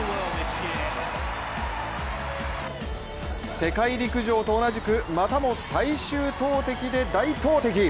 世界陸上と同じく、またも最終投てきで大投てき。